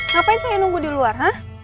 ngapain saya nunggu di luar nah